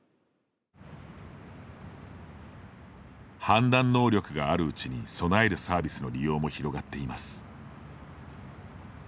判断能力があるうちに備えるサービスの利用も広がっています。